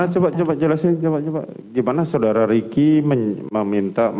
coba jelasin gimana saudara ricky meminta